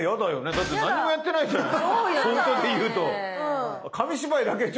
だって何にもやってないじゃない。